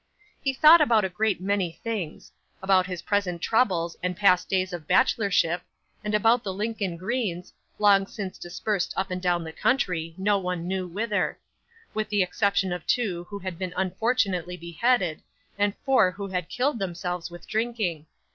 'He thought about a great many things about his present troubles and past days of bachelorship, and about the Lincoln greens, long since dispersed up and down the country, no one knew whither: with the exception of two who had been unfortunately beheaded, and four who had killed themselves with drinking.